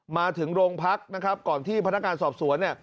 มาถึงโรงพักก่อนที่พนักการณ์สอบสวน